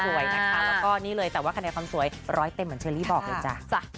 นะคะแล้วก็นี่เลยแต่ว่าคะแนนความสวยร้อยเต็มเหมือนเชอรี่บอกเลยจ้ะ